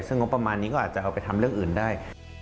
ซึ่งงบประมาณนี้ก็อาจจะเอาไปทำเรื่องอื่นได้